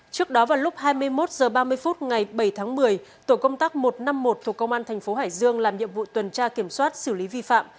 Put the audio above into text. trước đó vào lúc hai mươi một h ba mươi phút ngày bảy tháng một mươi tổ công tác một trăm năm mươi một thuộc công an thành phố hải dương làm nhiệm vụ tuần tra kiểm soát xử lý vi phạm